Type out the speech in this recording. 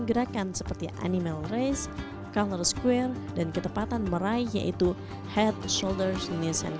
gerakan seperti animal race color square dan ketepatan meraih yaitu head shoulder knees and